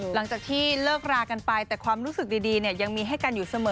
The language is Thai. หลังจากที่เลิกรากันไปแต่ความรู้สึกดียังมีให้กันอยู่เสมอ